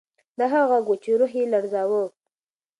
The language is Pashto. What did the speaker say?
دا هغه غږ و چې روح یې لړزاوه.